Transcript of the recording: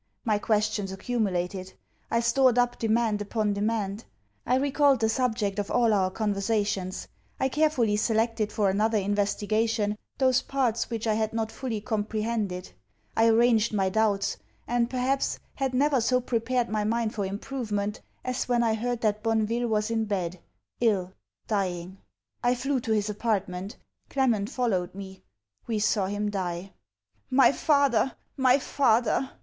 My questions accumulated; I stored up demand upon demand; I recalled the subject of all our conversations; I carefully selected for another investigation, those parts which I had not fully comprehended; I arranged my doubts; and, perhaps, had never so prepared my mind for improvement, as when I heard that Bonneville was in bed, ill, dying. I flew to his apartment. Clement followed me. We saw him die. 'My father! my father!'